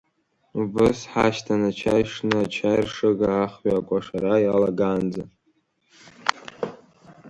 Убыс ҳашьҭан ачаи шны, ачаи ршыга ахҩа акәашара иалагаанӡа.